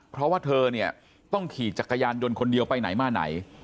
เพราะว่าเธอเนี่ยต้องขี่จักรยานยนต์คนเดียวไปไหนมาไหน